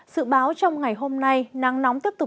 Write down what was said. sự báo trong ngày hôm nay nắng nóng tiếp tục